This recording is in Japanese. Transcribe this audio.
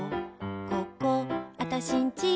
ここ、あたしんち